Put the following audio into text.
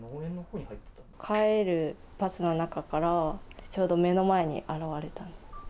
帰るバスの中から、ちょうど目の前に現れたんです。